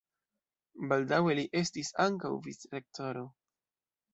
Baldaŭe li estis ankaŭ vicrektoro.